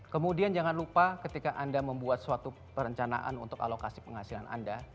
kemudian jangan lupa ketika anda membuat suatu perencanaan untuk alokasi penghasilan anda